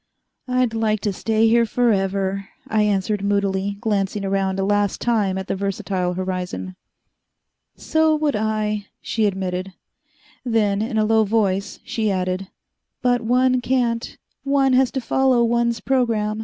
"I'd like to stay here forever," I answered moodily, glancing around a last time at the versatile horizon. "So would I," she admitted. Then, in a low voice, she added, "But one can't. One has to follow one's program."